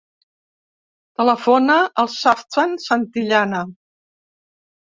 Telefona al Safwan Santillana.